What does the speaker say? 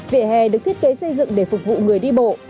vỉa hè được thiết kế xây dựng để phục vụ người đi bộ